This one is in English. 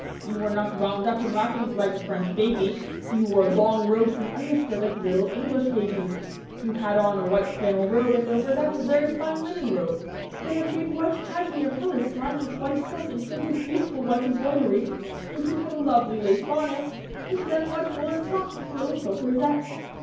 You were not wound up in wrappings like a French baby; you wore long robes and underskirts like little English babies. You had on a white flannel robe and over that a very fine linen robe, then a big white cashmere pelisse lined with white silk and trimmed with beautiful white embroidery, and you had a lovely lace bonnet, and then white woolen socks with little silk rosettes.